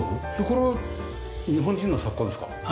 これは日本人の作家ですか？